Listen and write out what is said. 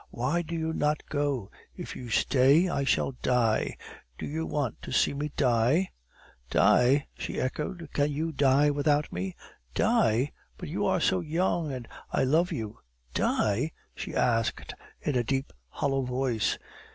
"Why do you not go? If you stay, I shall die. Do you want to see me die?" "Die?" she echoed. "Can you die without me? Die? But you are young; and I love you! Die?" she asked, in a deep, hollow voice.